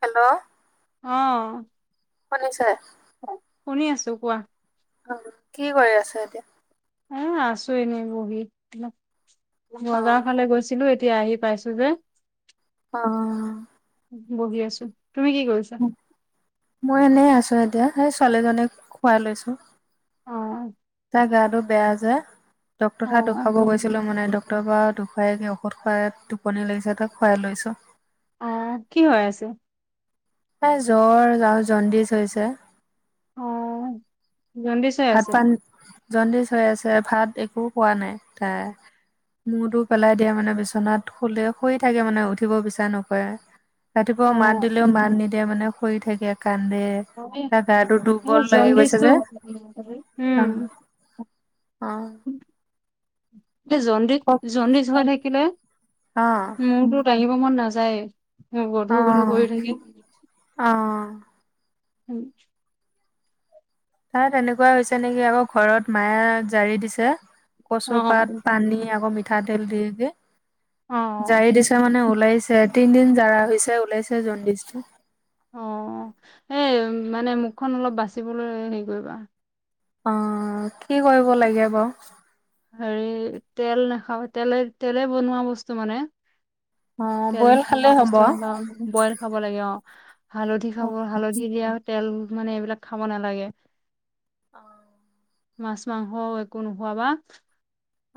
Hello অঁহ। শুনিছে? শুনি আছো। কোৱা? অঁ, কি' কৰি আছা এতিয়া? অঁহ আছো এনেই বহি। অ বজাৰ ফালে গৈছিলো এতিয়া আহি পাইছো। হে, অঁ বহি আছো। তুমি কি কৰিছা মই এনেই আছো। এতিয়া। সেই ছোৱালীজনীক সোৱাই লৈছো। অ গা, টো বেয়া যে। ডক্টৰ অ তা'ত দেখোৱাব গৈছিলো মানে, ডক্টৰ পৰা দেখুৱাই আনি সোৱাই, টোপনি লাগিছে তাক সোৱাই লৈছো। অঁহ। কি' হৈ আছে? এ' জ্বৰ আৰু জণ্ডিচ হৈছে। অঁহ জণ্ডিচ হৈ ভাত আছে? পানী জণ্ডিচ হৈ আছে। ভাত, পানী একোৱে খোৱা নাই, তাই। মূৰটো পেলাই দিয়ে মানে, বিচনাত শুলে, শুই থাকে মানে, উঠিব বিচাৰ নকৰে। ৰাতিপুৱা অ মাত দিলেও, মাত নিদিয়ে মানে। শুই থাকে। কান্দে, এই তাৰপা গাটো দুৰ্বল লাগি গৈছে জণ্ডিচটো যে'। উম অঁহ, অঁহ। উম। এ' জণ্ডিছ, জণ্ডিছ হৈ থাকিলে মোৰ টো দাঙিব- মন নাযায়। অঁহ, অঁহ। উম। তা'ত এনেকুৱা হৈছে নেকি আকৌ, ঘৰত মায়ে জাৰি দিছে। অ কচু পাত, পানী, আকৌ, মিঠাতেল দিয়ে যে। অ জাৰি দিছে, মানে ওলাইছে। তিনিদিন জৰা হৈছে ওলাইছে জণ্ডিছটো। অ এই মানে মুখখন অলপ বাচিবলৈ হেৰি কৰিবা। অ কি কৰিব লাগে বাও। হেৰি তেল নাখাওঁ তেলে তেলে বনোৱা বস্তু মানে। অ', তেল বইল বনোৱা খালেই হ'ব। বস্তু নোখোৱাবা বইল খাব লাগে অ। হালধি খাব, অ'। হালধি দিয়াত তেল মানে এইবিলাক খাব নালাগে। অহ। মাছ মাংস একো নোহোৱা বা।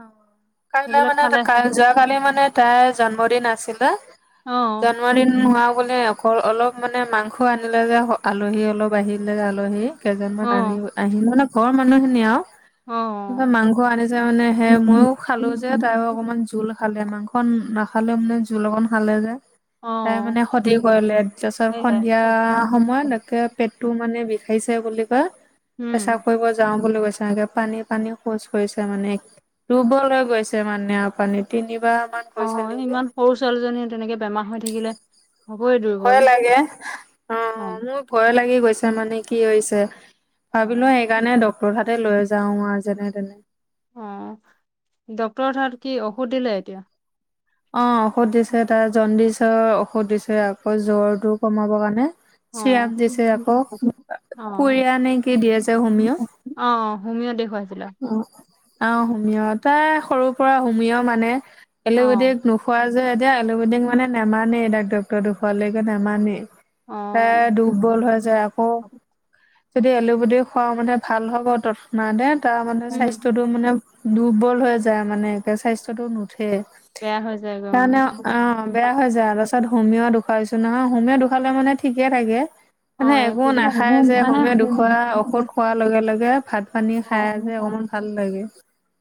অহ। কাইলৈ মানে কাই যোৱাকালি মানে তাই জন্মদিন আছিলে। অ' জানুৱাৰীত নোৱা অকলে অলপ মানে মাংস আনিলে যে আলহী অলপ আহিলে যে আলহী। কেইজন অ' মান আনি-আহি মানে ঘৰ মানুহে নি আও। অ' ত অ' মাংস আনি যায় মানে। এ মইও খালো যে তাই অকনমান জোল খালে মাংস নাখালেও মানে জোল অকণ হালে যে। তাই মানে খতি কৰিলে তাৰপিছত সন্ধিয়া সময়ত একে পেট তটো মানে বিষাইছে বুলি কয়। উম পেচা কৰিব যাও বুলি কৈছে এনেকে পানী-পানী শৌচ কৰিছে মানে। ৰুবলৈ গৈছে মানেপানী তিনি অ ইমান সৰু ছোৱালীজনী তেনেকে বেমাৰ হৈ থাকিলে হ'বই দুৰ্বল ভয় লাগে। অহ, অ' মোৰ ভয় লাগি গৈছে মানে কি হৈছে। অ' ভাবিলো সেইকাৰণে ড্টৰঠাতে লৈ জাও। যাওঁ আ যেনে-তেনে। অহ, ড্ক্তৰৰ তাত কি ঔষধ দিলে এতিয়া? অহ, ঔষধ দিছে তাৰ জণ্ডিচৰ ঔষধ দিছে আকৌ জ্বৰটো কমাবৰ কাৰণে। অ', চিৰাপ দিছে আকৌ অ', পৰিয়া নে কি দিয়ে যে হোমিও? অ', হোমিঅ দেখুৱাইছিলা? অহ, অহ সমিয় তাই সৰুৰ পৰা হুমীয়া মানে এলুবেদিক অ', নোখোৱা যে এতিয়া এলুবেদিক মানে নামানেই ডাক ডক্টৰ দেখুৱালে নামানেই। তাই অ', দুুৰ্বল হৈ যায় আকৌ যদি এলুবেটি খুৱও মানে ভাল হ'ব তৎক্ষণাতে। ত মানে উম, স্বাস্থ্যয়টো মানে দুৰ্বল হৈ যায় মানে একে স্বাস্থ্যটো নুঠে। বেয়া হৈ যায়গৈ উম। তাকে, অ বেয়া হৈ যায়। তাত হোমীয় দুখুৱাইছো নহয়। হোমীয় দুখালে মানে ঠিকে থাকে। মানে একো নাখায় যে। মানে হোমিঅ দুখোৱা ঔষধ খোৱাৰ লগে লগে বেয়া ভাত পানী অ', খাই যে অমান ভাল লাগে।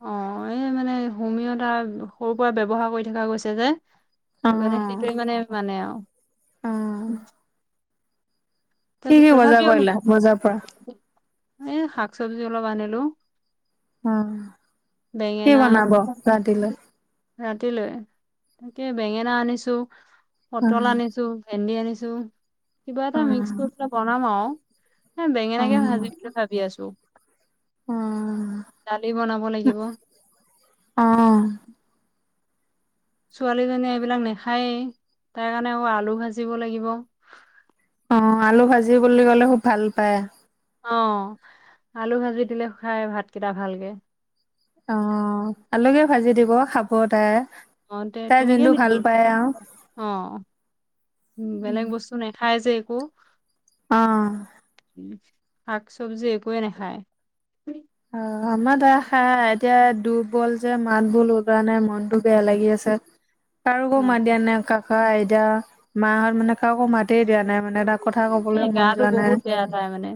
অ এই মানে হোমিয়তাৰ সৰুৰ পৰা ব্যৱহাৰ কৰি থকা হৈছে যে। সেই কাৰণে অ' সেইটোৱে মানে মানে আওঁ অ' তো কি কি বজাৰ তথাপিও কৰিলা বজাৰ পৰা? এ শাক চবজি চবজি অলপ আনিলো। অ কি বনাব ৰাতিলে? ৰাতিলে? তাকে বেঙেনা আনিছো। পটল অ' আনিছো, ভেন্দি আনিছো। য। কিবা এটা মিক্স অ' কৰি পেলাই বনাম আউ। হ বেঙেনাকে অ' ভাজিম বুলি ভাবি আছো। অ' দালি বনাব লাগিব। অ' ছোৱালীজনীয়ে এইবিলাক নাখায়েই। তাইৰ কাৰণে আকৌ আলু ভাজিব লাগিব। অ আলু ভাজি বুলি ক'লে খুব ভাল পায়। অ আলু ভাজি দিলে খাই ভাতকেইটা ভালকে। অ আলুকে ভাজি দিব খাব। খাব তাই। অ তে তাই তেনেকেই যোনটো দি ভাল পায় আৰু অ বেলেগ বস্তু নাখায় যে। কো। আহ। শাক চবজি একোৱেই নাখায়। অ আমাৰ তাৰ খাই এতিয়া দুৰ্বল যে মাত বোল যোৱা নাই মনটো বেয়া লাগি আছে। কাৰোকো অ' মাত দিয়া নাই কাক হয় এতিয়া মাহঁত মানে কাকো মাতেই দিয়া নাই মানে তাক কথা কবলৈ এই মন গাটো যোৱা নাই। বহুত বেয়া তাই মানে।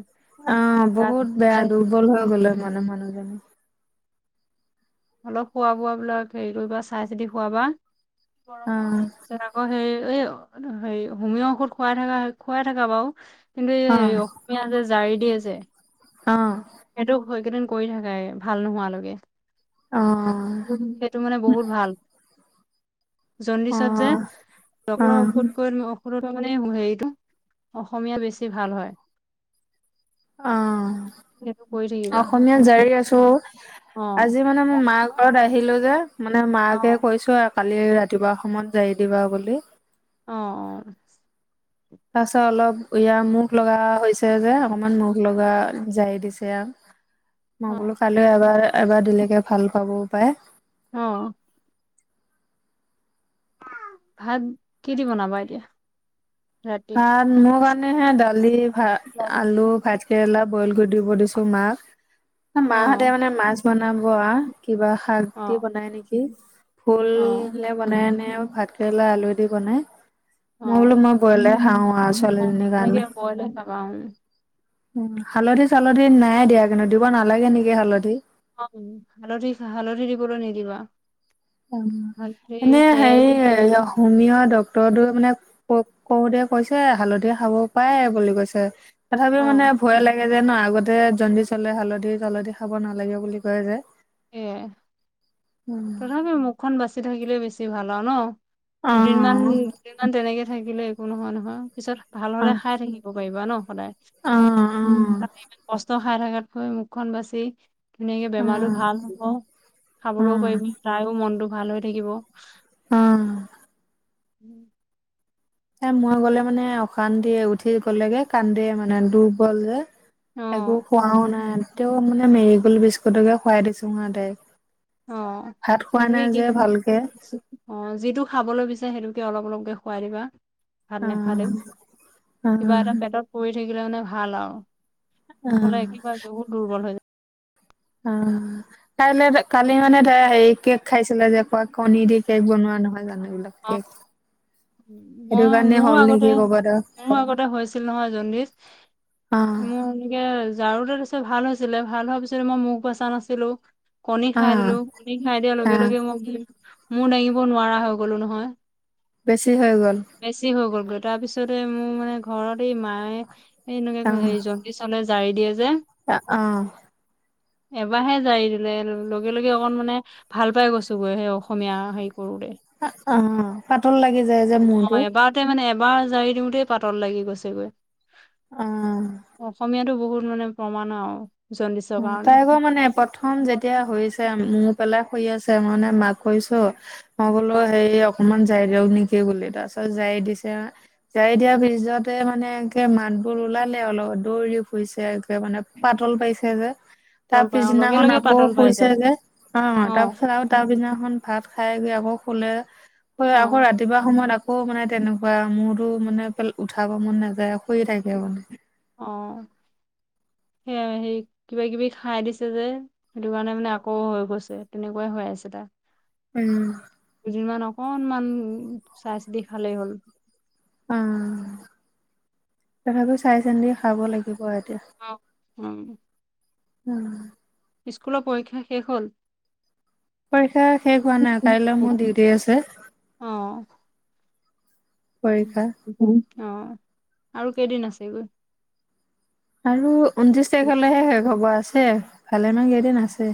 অ গাত বহুত বেয়া দুৰ্বল হৈ গলে ম মান মানুহজনী অলপ খোৱা বোৱাবিলাক হেৰি কৰিবা চাই চিতি খোৱাবা। অ গৰমে হেৰি আকৌ সেৰি এও [unintelligible] হেৰি হুমিঅ ঔষধ খোৱাই থকা খোৱাই থাকা বাও। কিন্তু এই অ হেৰি অসমীয়া যে। জাৰি দিয়ে যে। অ সেইটো সেকেইদিন কৰি থাকা ভাল নোহোৱালৈকে। অ সেইটো মানে বহুত ভাল। অ জন্দিছত যে অ ডক্তৰৰ ঔষধত কৈ- সৰুতে মানে হেৰিটো অসমীয়া বেছি ভাল হয়। অ সেইটো কৰি থাকিবা অসমীয়াত জাৰি আছো অ আজি মানে মই মা ঘৰত আহিলো যে। মানে অ মাকে কৈছো আৰু কালি ৰাত- কিবা অসমত জাৰী দিবা বুলি। অ অ তাৰ পাছত অলপ ইয়াৰ মুখ লগা হৈছে যে অকমান মুখ লগা জাৰী দিছে আ অ অ মই বোলো কাইলৈ এবাৰ এবাৰ দিলেকে। ভাল পাবও পাৰে। অ ভাত কি দি বনাবা এতিয়া? ৰাতি ভাত মোৰ কাৰণে হে দালি ভাত আলু ভাত কেৰেলা। বইল কৰি দিব দিছো মাক। অ মাহতে মানে মাছ বনাব আ কিবা শাক অ দি বনাই নেকি ফুলে অ বনাইনে ভাত। কেলা আলু দি বনাই। অ মই বোলো মই বইলে খাওঁ মই ছোৱালী জনি তেনেকে কাৰণে। বইলে খাবা উম। উ হালধি চালধি নাই দিয়া কিন্তু দিব নালাগে নেকি হালধি। অ হালধি, হালধি দিবলৈ নিদিবা। হালধি এনে তেল হেৰি হুমিও ডক্তৰটো মানে। ক কৰোতে কৈছে হালধি খাব পাৰে বুলি কৈছে। তথাপি মানে অ', ভয় লাগে। যে ন আগতে জণ্ডিচ হলে হালধি চালধি খাব নালাগে বুলি কয় যে এ অ তথাপিও মোক খন বাচি থাকিলে বেছি ভাল আৰু ন। অ দুদিন মান দুদিনমান তেনেকে থাকিলে একো নহয় নহয় পিছত ভাল অ হলে খাই থাকিব পাৰিবা ন। সদায় অ উম তাকে ইমান কষ্ট খাই থকাতকৈ মুখখন বাচি ধুনীয়াকে অ বেমাৰটো ভাল হ'ব খাবলৈও পাৰিবি তাইও মনটো ভাল হৈ থাকিব। উহ [inaudible] এ মই গ'লে মানে অশান্তি উঠি গ'লেগে কান্দে মানে দুৰ্বল যে। একো খোৱাও অ'। নাই তেও মানে মেৰি গ'ল্ড বিস্কুতকে খোৱাই দিছোঙ আও তাইক। অ ভাত খোৱা তেনেকে নাই কি যে ভালকে অ যিটো খাবলৈ বিচাৰে সেইটোকে অলপ অলপকে - খোৱায় দিবা। ভাত নাখালে অ', কিবা অ', এটা পেটত পৰিল হেৰি কৰিলে মানে ভাল আও অ', নহলে একেইবাৰে বহুত দুৰ্বল হৈ যায়। অ কাৰণে কালি মানে ধৰা হেৰিকে খাইছিলে যে পোৰা কণী দি কেক বনোৱা নহয় জানো। এইবিলাক অ কেক। সেইটো মই কাৰণে মোৰো হ'ল আগতে নেকি ক'ৰবাত আৰু মোৰো আগতে হৈছিল নহয় জণ্ডিছ অ', মোৰ এনেকে জাৰুতে ভাল হৈছিলে ভাল হোৱাৰ পিছতে মই মোখ বচা নাছিলো কণী খাই দিলো অ', কণী খাই দিয়াৰ লগে অ', লগে মোক ই মোৰ দাঙিব নোৱাৰা হৈ - গ'লো নহয়। বেছি হৈ গ'ল। তাৰপিছতে মোৰ মানে ঘৰত এই মায়ে সেনেকাকো হে অ', জণ্ডিছ হ'লে জাৰি দিয়ে যে অ অহ এবাৰাহে জাৰি দিলে লগে লগে অকন মানে ভাল পাই গৈছো গৈ সেই অসমীয়া হেৰি কৰোতে। অহ অ পাতল লাগি যায় যে মূৰটো এবাৰতে মানে এবাৰ জাৰি দিওঁতেই পাতত লাগি গৈছেগৈ। অ'। অসমীয়াটো বহুত, মানে প্ৰমাণ আঁৱ। অ তাই আকৌ মানে প্ৰথম যেতিয়া হৈছে মূৰ পেলাই, শুই আছে, মানে মাক কৈছো মই বোলো হেৰি অকমান, জাৰি দিয়ক নেকি বুলি। তাৰপিছত জাৰি দিছে আ, জাৰি দিয়াৰ পিছতে মানে একে মাতবোৰ ওলালে অলপ দৌৰি ফুৰিছে মানে পাতল পাইছে। সেইব [unintelligible] তাৰ পাতল পাই অ লগে পিছদিনাখন লগে আকৌ পাতল পাই শুইছে যায় যে, অ তাৰ পিছত আৰু তাৰ পিছদিনাখন ভাত খাই বৈ আকৌ শুলে। অ আকৌ ৰাতিপুৱা সময়ত আকৌ মানে তেনেকুৱা, বা মূৰটো মানে উঠাব মন নাযায় শুই থাকে মানে। অ সেইয়াই, সেই কিবা কিবি খাই দিছে যে সেইটো কাৰণে মানে আকৌ হৈ গৈছে। তেনেকুৱাই হৈ আছে তাৰ। উম। দুদিনমান অকনমান চাই চিতি খালেই হ'ল। উম, তথাপিও চাই চিন্তি খাব লাগিব। এতিয়া অ উম। উম। স্কুলৰ পৰীক্ষা শেষ হ'ল? পৰীক্ষা শেষ হোৱা নাই, কাইলৈ অ মোৰ ডিউটি আছে। অ', পৰীক্ষা অ। আৰু কেইদিন আছেগৈ? আৰু ঊনত্ৰিশ তাৰিখলৈহে শেষ হব আছে। ভালেমান কেদিন আছে।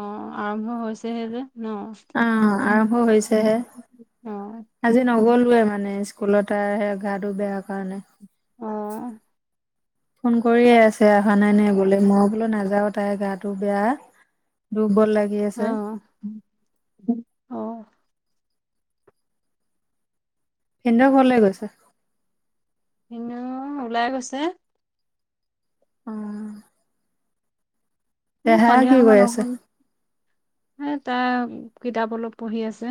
অ আৰম্ভ হৈছেহে যে। ন? অ আৰম্ভ হৈছেহে, অ', আজি নগল [unintelligible] মানে স্কুলত তাৰ সে গাটো বেয়া কাৰণে। অ', ফোন কৰিয়ে কাল আছে অহা নাই নাইনে। গলে মই বোলো নাযাও তাইৰ গাটো বেয়া দুৰ্বল, লাগি আছে অ অ। ভিন্দেও ঘৰলে গৈছে। ভিন্দেও ওলাই গৈছে। অ। এ দেহা সন্ধিয়া কি সময় কৰি লগ আছে হল। [inaudible] টা কিতাপ অলপ পঢ়ি আছে।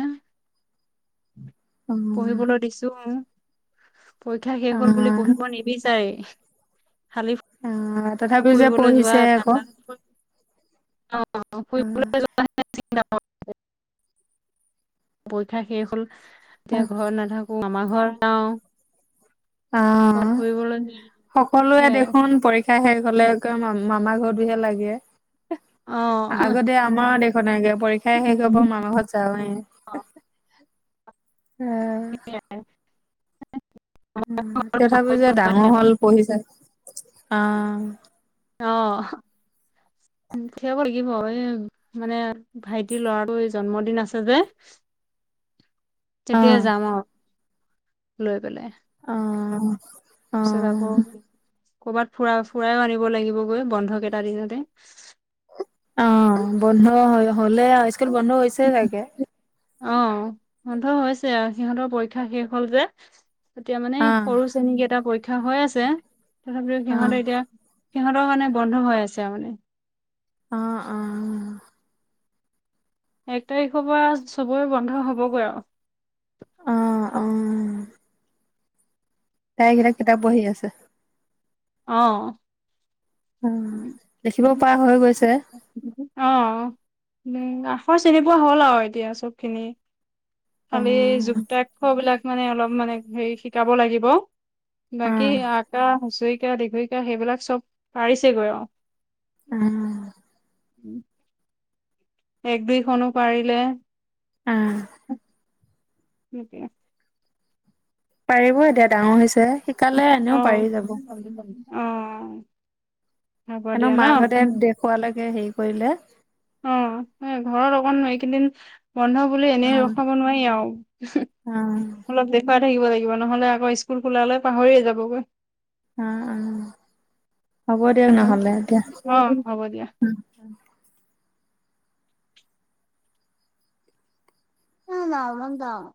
অ পঢ়িবলৈ দিছো। [inaudible] পৰীক্ষা শেষ হল বুলি আহ পঢ়িব নিবিচাৰেই। খালি উম। ফুৰিবলৈ যোৱা ঠাণ্ডা, আহ ফুৰিবলৈ যোৱা হে চিন্তা পৰীক্ষা শেষ হল। এতিয়া ঘৰত নাথাকো আমাৰ ঘৰ যাওঁ ক'ত অহ, ফুৰিবলৈ সকলোৱে সেয়াই দেখোন পৰিক্ষ খাই শেষ হলে এক ম-মামা ঘৰটো হে লাগে। অ', আগতে আমাৰ দেখ [unintelligible] পৰীক্ষাই শেষ হব মামা ঘৰত যাওঁৱে। অ উম। তথাপিও যে ডাঙৰ হল পঢ়িছা, অহ। উথিয়াব লাগিব এই মানে ভাইটিৰ লৰাটো জন্মদিন আছে যে তেতিয়া আহ যাম আৰু। লৈ পেলাই। অহ। পিছত আকৌ ক'ৰবাত ফুৰা ফুৰায়ও আনিব লাগিব গৈ বন্ধক এটা দিনতে। অহ বন্ধ হলে বন্ধ হৈছে চাগে। অ বন্ধ হৈছে সিহঁতৰ পৰীক্ষা শেষ হল যে। এতিয়া মানে আহ সৰু শ্ৰেনী কেইটা পৰি শিক্ষা হৈ আছে। তথাপিও আহ সিহঁতে এতিয়া সিহঁতৰ মানে বন্ধ হৈ আছে আউ মানে। অহ-অহ। এক তাৰিখৰ পৰা চবৰে বন্ধ হ'বগৈ আৰু। অহ-অহ। চাইগেইলাক কিতাপ পঢ়ি আছে। অহ। উম দেখিব পৰা হৈ গৈছে। অ অ উম আখৰ চিনি পোৱা হ'ল আৰু এতিয়া চব খিনি। অ খালি যুক্তাক্ষ বিলাক মানে, অলপ মানে হেৰি শিকাব লাগিব। অ বাকী আকা, হুঁচই দ দীঘৰিকা সেইবিলাক চব পাৰিছে। কৰি ৰ [unintelligible] অ। এক-দুইখনো পাৰিলে। আহ। সতি আ [unintelligible] পাৰিব দে ডাঙৰ হৈছে, শিকালে অ অ এনেও পাৰি যাব। হ'ব এনেও দিয়া ন মাকাহঁতে দেখুৱালে হেৰি কৰিলে। অ, ঘৰত অকন এইকেইদিন বন্ধ বুলি এনে উম ৰখাব নোৱাৰি আৰু। অ অলপ দেখাই থাকিব লাগিব। নহলে আকৌ স্কুল খোলালৈ পাহৰিয়ে যাবগৈ। অ', উম হ'ব দিয়ক নহ'লে এতিয়া। অ হ'ব ন নন্তৱ [unintelligible]